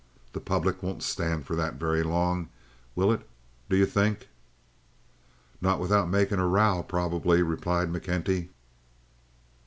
The public won't stand for that very long, will it, do you think?" "Not without making a row, probably," replied McKenty.